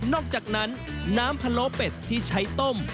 อกจากนั้นน้ำพะโลเป็ดที่ใช้ต้ม